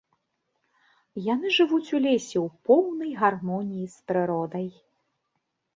Яны жывуць у лесе ў поўнай гармоніі з прыродай.